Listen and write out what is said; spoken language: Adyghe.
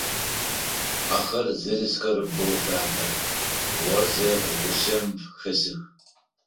Ахэр зэрысхэр боу фабэ, орзэ гъушъэм хэсых.